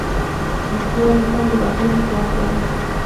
هوښیار انسان د بښنې قوت لري.